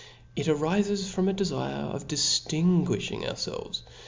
It rifes from a defire of diftinguilhing ourfelves.